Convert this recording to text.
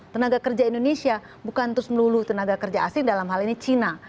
tenaga kerja indonesia bukan terus melulu tenaga kerja asing dalam hal ini cina